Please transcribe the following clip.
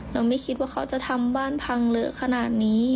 ไม่คิดว่าเขาจะทำบ้านพังเลอะขนาดนี้